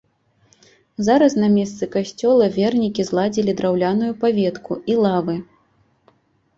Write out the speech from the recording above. Зараз на месцы касцёла вернікі зладзілі драўляную паветку і лавы.